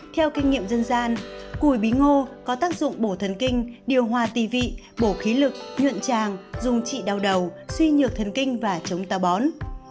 theo kinh nghiệm dân gian cùi bí ngô có tác dụng bổ thần kinh điều hòa tì vị bổ khí lực nhuộn tràng dùng trị đau đầu suy nhược thần kinh và chống tàu bón